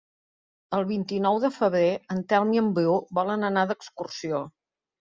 El vint-i-nou de febrer en Telm i en Bru volen anar d'excursió.